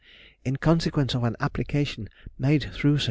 In consequence of an application made through Sir J.